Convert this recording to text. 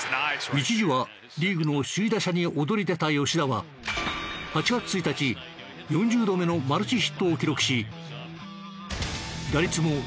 一時はリーグの首位打者に躍り出た吉田は８月１日４０度目のマルチヒットを記録し。